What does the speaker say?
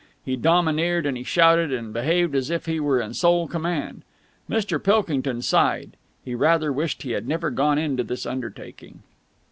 He domineered and he shouted, and behaved as if he were in sole command. Mr Pilkington sighed. He rather wished he had never gone into this undertaking.